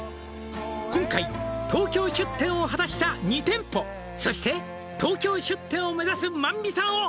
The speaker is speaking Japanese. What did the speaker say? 「今回東京出店を果たした２店舗」「そして東京出店を目指す満味さんを」